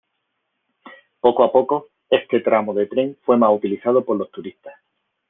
Poco a poco, este tramo de tren fue más utilizado por los turistas.